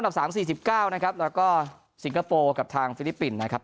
อันดับสามสี่สิบเก้านะครับแล้วก็สิงคโปร์กับทางฟิลิปปินส์นะครับ